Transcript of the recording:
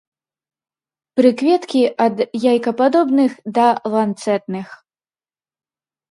Прыкветкі ад яйкападобных да ланцэтных.